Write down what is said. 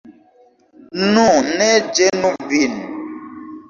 Nu, ne ĝenu vin!